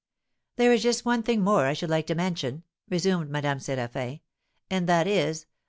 "There is just one thing more I should like to mention," resumed Madame Séraphin, "and that is, that M.